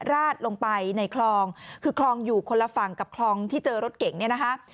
ราดลงไปในคลองคือคลองอยู่คนละฝั่งกับคลองที่เจอรถเก่งเนี่ยนะคะ